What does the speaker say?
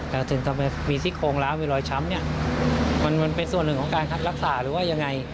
แต่ถึงทำไมมีซี่โครงล้าวมีรอยช้ำเนี่ยมันเป็นส่วนหนึ่งของการคัดรักษาหรือว่ายังไง